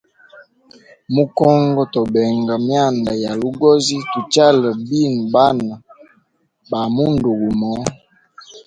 Mu congo to benga myanda ya lugozi tu chale bi bana ba mundu gumo.